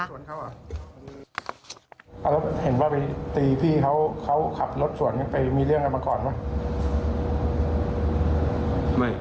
เห็นว่าไปตีพี่เขาเขาขับรถสวนไปมีเรื่องอะไรมาก่อนไหม